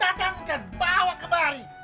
datangkan bawa kemari